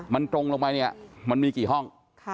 มันตรงลงไปมันมีกี่ห้อง